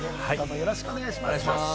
よろしくお願いします。